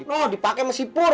oh dipake masih pur